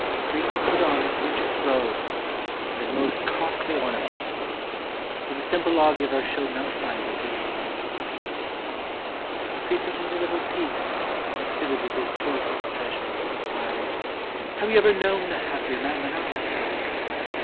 Croesus put on his richest robes and his most costly orna ments ; but the simple lawgiver showed no signs of being at all im.pressed. Croesus was a little piqued and exhibited his choicest treasures, inquiring, ''Have you ever known a hap pier man than I?"